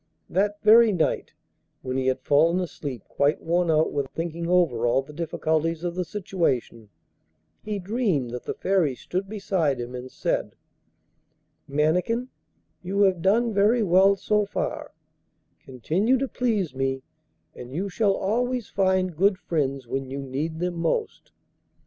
That very night, when he had fallen asleep quite worn out with thinking over all the difficulties of the situation, he dreamed that the Fairy stood beside him, and said: 'Mannikin, you have done very well so far; continue to please me and you shall always find good friends when you need them most.